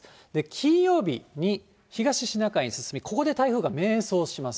金曜日に東シナ海に進み、ここで台風が迷走します。